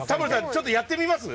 ちょっとやってみます？